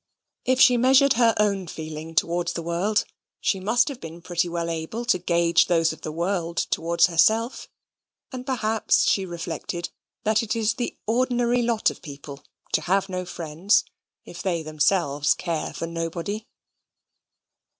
If she measured her own feeling towards the world, she must have been pretty well able to gauge those of the world towards herself; and perhaps she reflected that it is the ordinary lot of people to have no friends if they themselves care for nobody.